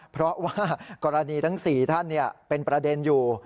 เพราะว่ากรณีทั้ง๔ท่านเป็นประเด็นอยู่